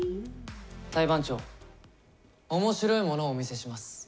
裁判長、面白いものもお見せします。